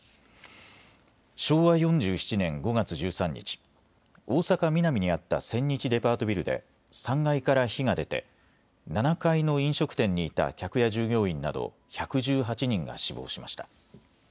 昭和４７年５月１３日、大阪・ミナミにあった千日デパートビルで、３階から火が出て、７階の飲食店にいた客や従業員など、１１８人が死亡しました。